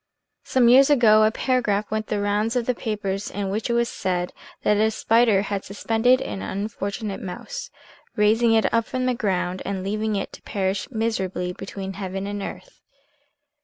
Some years ago a paragraph went the rounds of the papers in which it was said that a spider had suspended an unfortunate mouse, raising it up from the ground, and '3 HOW A SPIDER LIFTED A SNAKE 131 leaving it to perish miserably between heaven and earth.